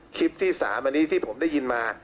คลิปที่๓อันนี้ที่ผมได้ยินมา